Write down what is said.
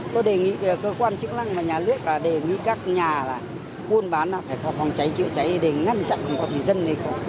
tôi đề nghị cơ quan chức năng và nhà luyện và đề nghị các nhà là buôn bán phải có phòng cháy chữa cháy để ngăn chặn cho dân này